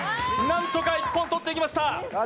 何とか一本取っていきました。